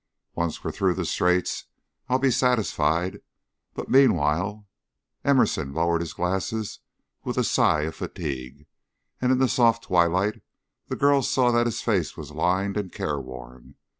Once we're through the Straits, I'll be satisfied. But meanwhile " Emerson lowered his glasses with a sigh of fatigue, and in the soft twilight the girl saw that his face was lined and careworn.